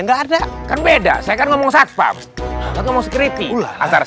ulala sedikit enggak ada nih wah bahaya